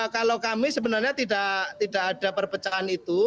kalau kami sebenarnya tidak ada perpecahan itu